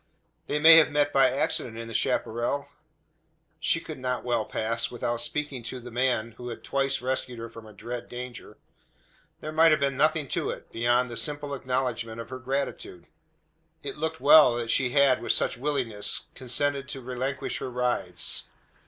They may have met by accident in the chapparal? She could not well pass, without speaking to, the man who had twice rescued her from a dread danger. There might have been nothing in it, beyond the simple acknowledgment of her gratitude? It looked well that she had, with such willingness, consented to relinquish her rides.